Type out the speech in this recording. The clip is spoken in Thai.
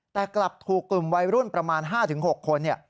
แต่กลับถูกกลุ่มวัยรุ่นประมาณ๕๖คน